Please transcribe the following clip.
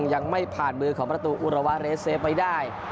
ยังไม่ผ่านมือของประตูอุระวะเรสเซฟไว้ได้